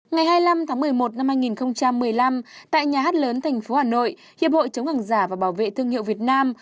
ngày hai mươi năm tháng một mươi một năm hai nghìn một mươi năm tại nhà hát lớn thành phố hà nội hiệp hội chống hàng giả và bảo vệ thương hiệu việt nam